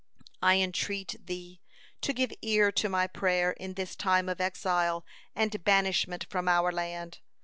I entreat Thee to give ear to my prayer in this time of exile and banishment from our land.